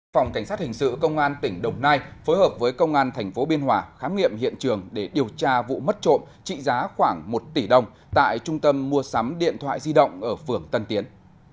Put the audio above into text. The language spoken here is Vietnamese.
phòng cảnh sát hình sự công an tỉnh đồng nai phối hợp với công an tp biên hòa khám nghiệm hiện trường để điều tra vụ mất trộm trị giá khoảng một tỷ đồng tại trung tâm mua sắm điện thoại di động ở phường tân tiến